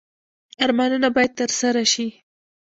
ارمانونه باید ترسره شي